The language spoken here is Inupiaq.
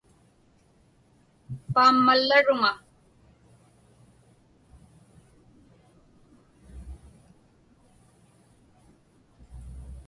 Paammallaruŋa.